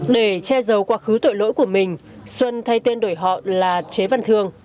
để che giấu quá khứ tội lỗi của mình xuân thay tên đổi họ là chế văn thương